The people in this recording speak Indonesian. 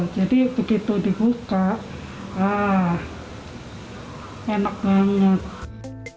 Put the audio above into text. jadi begitu dibuka enak banget